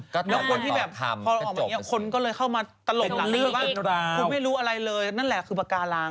คุณก็เลยเข้ามาตลกหลังเลือกว่าคุณไม่รู้อะไรเลยนั่นแหละคือปากการัง